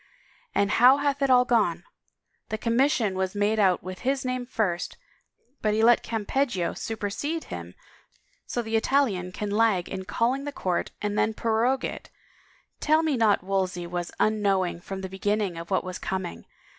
And how hath it all gone? The commission was made out with his name first but he lets Campeggio supersede him so the Italian can lag in calling the court and then prorogue it — tell me not Wolsey was unknowing from the beginning of what was coming!